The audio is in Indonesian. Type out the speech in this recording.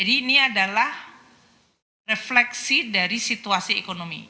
jadi ini adalah refleksi dari situasi ekonomi